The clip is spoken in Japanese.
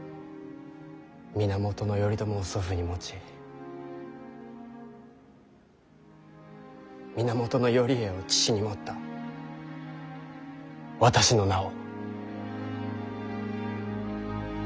源頼朝を祖父に持ち源頼家を父に持った私の名を。